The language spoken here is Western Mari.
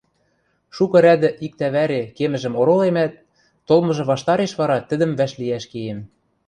Шукы рӓдӹ иктӓ-вӓре кемӹжӹм оролемӓт, толмыжы ваштареш вара тӹдӹм вӓшлиӓш кеем.